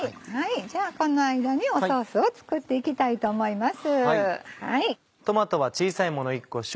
じゃあこの間にソースを作っていきたいと思います。